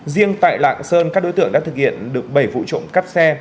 riêng tại lạng sơn các đối tượng đã thực hiện được bảy vụ trộm cắp xe